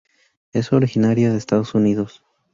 Es originaria de Estados Unidos.